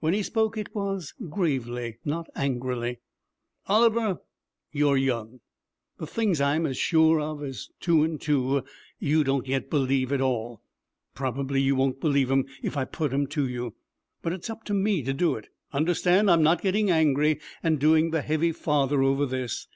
When he spoke, it was gravely, not angrily. 'Oliver, you're young. The things I'm as sure of as two and two, you don't yet believe at all. Probably you won't believe 'em if I put them to you, but it's up to me to do it. Understand, I'm not getting angry and doing the heavy father over this.